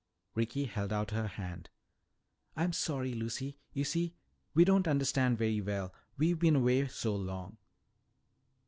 Ricky held out her hand. "I'm sorry, Lucy. You see, we don't understand very well, we've been away so long."